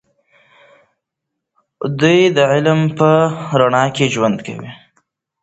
دوی د علم په رڼا کې ژوند کوي.